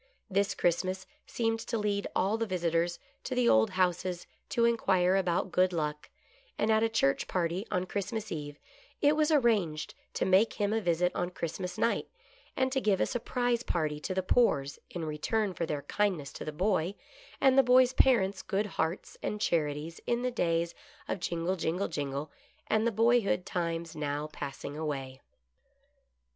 This Christmas seemed to lead all the visitors to the old houses to inquire about Good Luck, and at a church party on Christmas eve, it was arranged to make him a visit on Christmas night, and to give a sur prise party to the Poores in return for their kindness to the boy, and the boy's parents' good hearts and charities in the days of jingle, jingle, jingle, and the boyhood times now passing away.